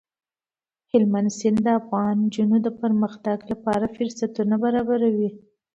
هلمند سیند د افغان نجونو د پرمختګ لپاره فرصتونه برابروي.